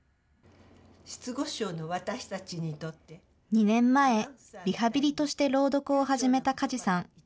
２年前、リハビリとして朗読を始めた梶さん。